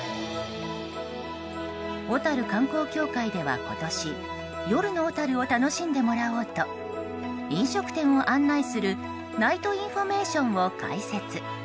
小樽観光協会では、今年夜の小樽を楽しんでもらおうと飲食店を案内するナイトインフォメーションを開設。